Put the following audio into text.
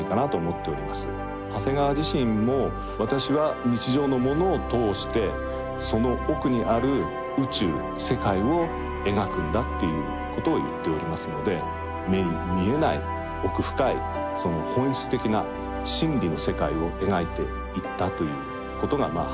長谷川自身も「私は日常の物を通してその奥にある宇宙世界を描くんだ」ということを言っておりますので目に見えない奥深いその本質的な真理の世界を描いていったということがまあ